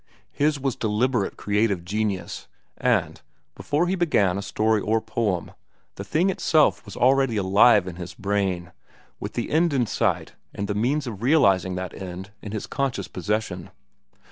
His was deliberate creative genius, and, before he began a story or poem, the thing itself was already alive in his brain, with the end in sight and the means of realizing that end in his conscious possession.